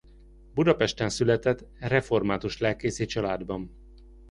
Budapesten született református lelkészi családban.